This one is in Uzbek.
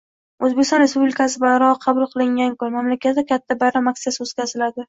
O'zbekiston Respublikasi bayrog'i qabul qilingan kun, mamlakatda katta bayram aksiyasi o'tkaziladi